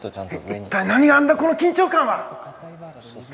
一体何なんだ、この緊張感は！